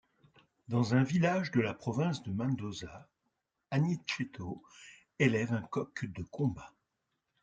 Dans un village de la province de Mendoza, Aniceto élève un coq de combat.